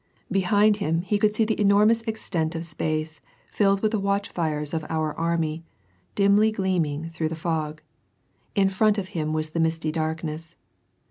Behind him he could see the enormous extent of space filled with the watch fires of our army dimly gleaming through the fog ; in front of him was the misty darkness.